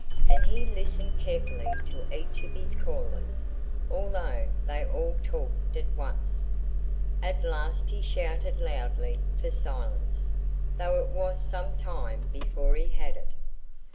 And he listened carefully to each of his callers although they all talked at once. At last he shouted loudly for silence, though it was some time before he had it.